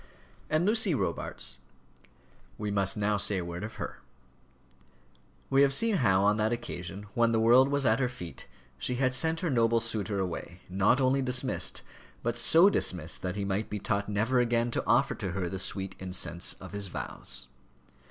And Lucy Robarts we must now say a word of her. We have seen how, on that occasion, when the world was at her feet, she had sent her noble suitor away, not only dismissed, but so dismissed that he might be taught never again to offer to her the sweet incense of his vows.